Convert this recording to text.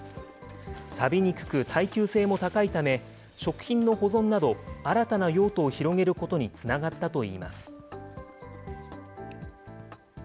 さびにくく耐久性も高いため、食品の保存など新たな用途を広げることにつながったといいます。